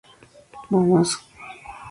Muhammad Sa ʿ d al-Katātnī.